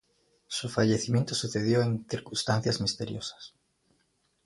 Su fallecimiento sucedió en circunstancias misteriosas.